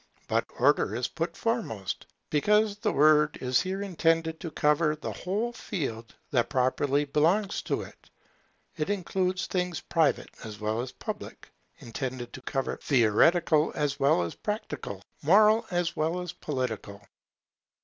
But Order is put foremost, because the word is here intended to cover the whole field that properly belongs to it. It includes things private as well as public, theoretical as well as practical, moral as well as political.